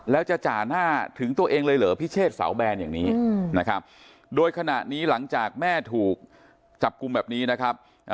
แล้วจะจ่าหน้าถึงตัวเองเลยเหรอพิเชษเสาแบนอย่างนี้นะครับโดยขณะนี้หลังจากแม่ถูกจับกลุ่มแบบนี้นะครับ